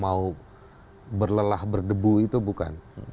mau berlelah berdebu itu bukan